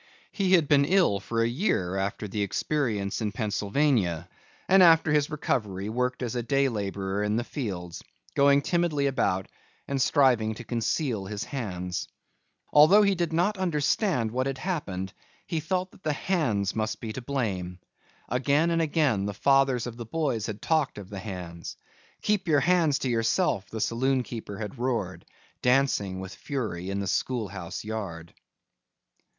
He had been ill for a year after the experience in Pennsylvania, and after his recovery worked as a day laborer in the fields, going timidly about and striving to conceal his hands. Although he did not understand what had happened he felt that the hands must be to blame. Again and again the fathers of the boys had talked of the hands. "Keep your hands to yourself," the saloon keeper had roared, dancing, with fury in the schoolhouse yard.